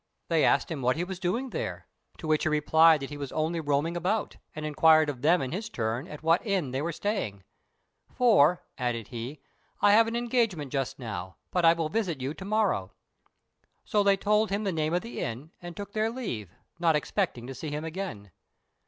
They asked him what he was doing there; to which he replied that he was only roaming about, and inquired of them in his turn at what inn they were staying; "For," added he, "I have an engagement just now, but I will visit you to morrow." So they told him the name of the inn, and took their leave, not expecting to see him again.